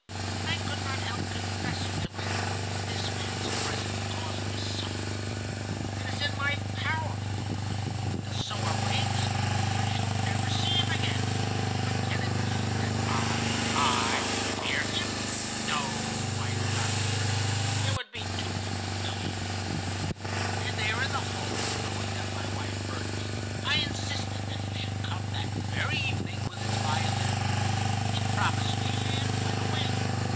I could not help confessing to myself that this man's presence caused me suffering. 'It is in my power,' thought I, 'to so arrange things that I shall never see him again. But can it be that I, I, fear him? No, I do not fear him. It would be too humiliating!' "And there in the hall, knowing that my wife heard me, I insisted that he should come that very evening with his violin. He promised me, and went away.